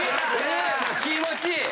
気持ちいい！